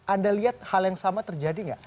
anda lihat hal yang sama terjadi nggak